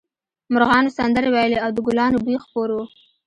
مرغانو سندرې ویلې او د ګلانو بوی خپور و